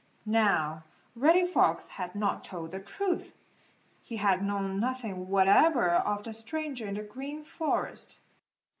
Now Reddy Fox had not told the truth. He had known nothing whatever of the stranger in the Green Forest.